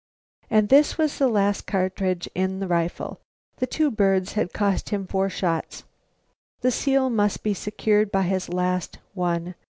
And this was the last cartridge in the rifle. The two birds had cost him four shots. The seal must be secured by his last one.